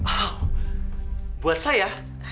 oh buat saya